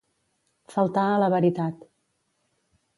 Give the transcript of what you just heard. Faltar a la veritat.